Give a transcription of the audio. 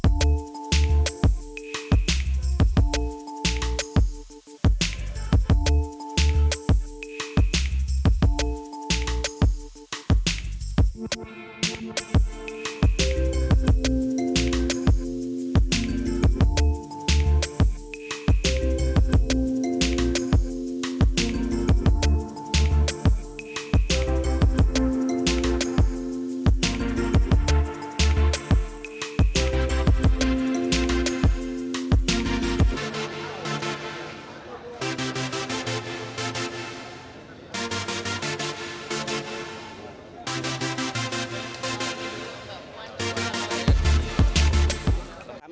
kami menghormati yang menjadi keputusan dari partai demokrat